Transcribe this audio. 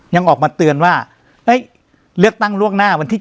ยังออกมาเตือนว่าเลือกตั้งล่วงหน้าวันที่๒